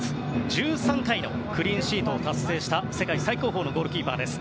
１３回のクリーンシートを達成した世界最高峰のゴールキーパーです。